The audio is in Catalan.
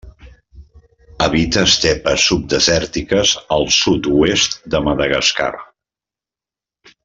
Habita estepes subdesèrtiques del sud-oest de Madagascar.